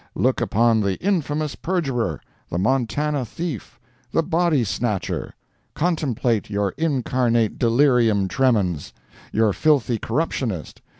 Look upon the Infamous Perjurer! the Montana Thief! the Body Snatcher! Contemplate your incarnate Delirium Tremens! your Filthy Corruptionist!